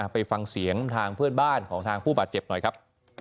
ไปฟังเสียงทางเพื่อนบ้านของทางผู้บาดเจ็บหน่อยครับ